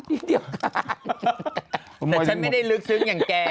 แต่ฉันไม่ได้ลึกซึ้งอย่างแก